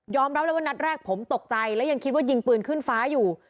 รับเลยว่านัดแรกผมตกใจและยังคิดว่ายิงปืนขึ้นฟ้าอยู่